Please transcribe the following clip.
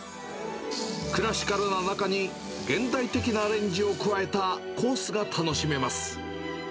クラシカルな中に、現代的なアレンジを加えたコースが楽しめます。